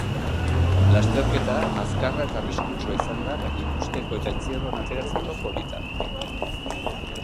Lasterkerta azkarra eta arriskutsua izan da, baina ikusteko eta entzierroan ateratzeko polita.